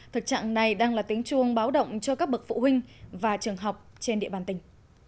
thực trạng này đang là tiếng chuông báo động cho các bậc phụ huynh và trường học trên địa bàn tỉnh